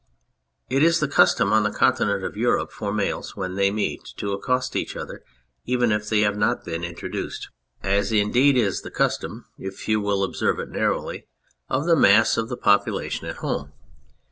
It is the custom on the Continent of Europe for males when they meet to accost each other, even if they have not been introduced, as indeed is the 243 K2 On Anything custom (if you will observe it narrowly) of the mass of the population at home.